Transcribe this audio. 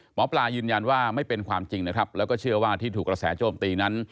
หมอปลายืนยันว่าไม่เป็นความจริงนะครับแล้วก็เชื่อว่าที่ถูกกระแสโจมตีนั้น